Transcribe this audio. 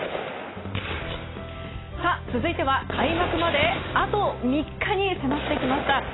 続いては開幕まであと３日に迫ってきました。